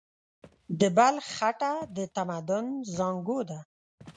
د بلخ خټه د تمدن زانګو ده.